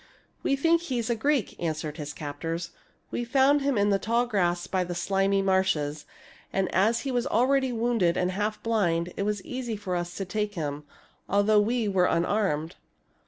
" We think he is a Greek," answered his captors. " We found him in the tall grass by the slimy marshes ; and as he was already wounded and half blind, it was easy for us to take him, although we were unarmed."